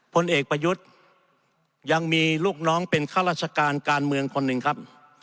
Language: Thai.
ผลเอกประยุทธ์ยังมีลูกน้องเป็นข้าราชการการเมืองคนหนึ่งครับ